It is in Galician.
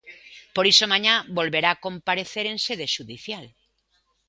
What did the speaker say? Por iso mañá volverá comparecer en sede xudicial.